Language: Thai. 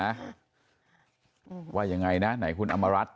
เราจะบอกว่ายังไงนะเห็นคุณอำมารัฐ